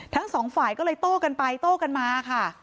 ทั้งสองฝ่ายก็เลยโต้กันไปโต้กันมาค่ะ